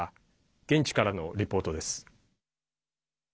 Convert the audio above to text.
現地からのリポートです。